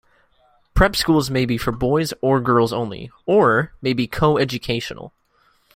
Prep schools may be for boys or girls only, or may be co-educational.